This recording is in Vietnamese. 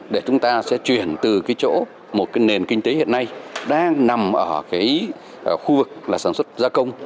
để chúng ta sẽ chuyển từ một nền kinh tế hiện nay đang nằm ở khu vực sản xuất gia công